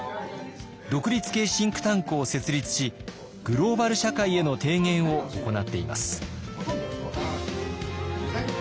独立系シンクタンクを設立しグローバル社会への提言を行っています。